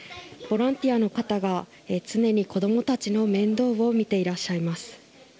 ボランティアの方が常に子供たちの面倒を見ていらっしゃいます。